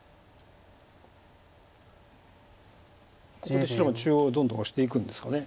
ここで白が中央どんどんオシていくんですかね。